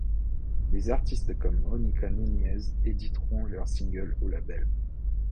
Des artistes comme Mónica Núñez éditeront leurs singles au label.